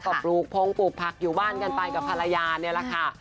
ก็ปลูกพงปลูกผักอยู่บ้านกันไปกับภรรยานี่แหละค่ะ